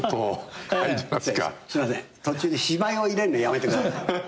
途中で芝居を入れんのやめてください。